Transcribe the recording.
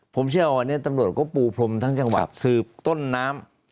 ผมเชื่อว่าวันนี้ตำรวจก็ปูพรมทั้งจังหวัดสืบต้นน้ำ